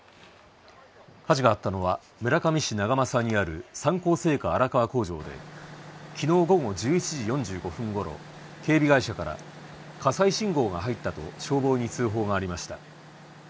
火事があったのは村上市長正にある三幸製菓の荒川工場で昨日午後１１時４５分ごろ、警備会社から火災信号が入ったと消防に通報がありました。